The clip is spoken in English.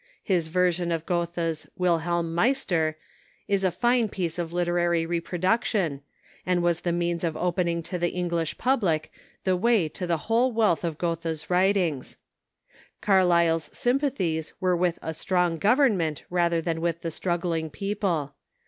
His version of Goethe's " Wilhelm Meister" is a fine piece of literary reproduction, and was the means of opening to the English public the way to the whole Avealth of Goethe's writ ings. Carlyle's sympathies were with a strong government rather than with the struggling people.